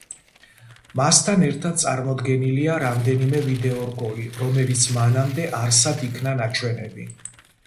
მასთან ერთად წარმოდგენილია რამდენიმე ვიდეორგოლი, რომელიც მანამდე არსად იქნა ნაჩვენები.